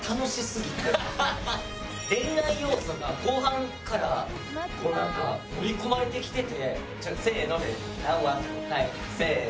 恋愛要素が後半から、盛り込まれてきていて。